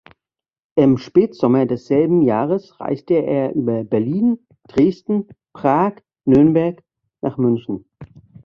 Im Spätsommer desselben Jahres reiste er über Berlin, Dresden, Prag, Nürnberg nach München.